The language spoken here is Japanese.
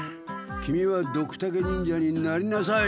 キミはドクタケ忍者になりなさい！